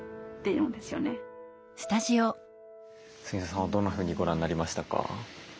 ＳＵＧＩＺＯさんはどんなふうにご覧になりましたか？